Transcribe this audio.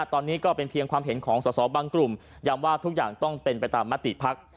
ตอนนี้ก็เป็นเพียงความเห็นของสอสอบางกลุ่มย้ำว่าทุกอย่างต้องเป็นไปตามมติภักดิ์